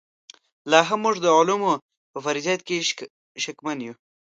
لاهم موږ د علومو په فرضیت کې شکمن یو.